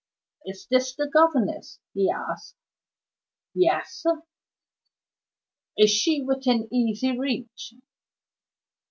"Is this the governess?" he asked. "Yes!" "Is she within easy reach?"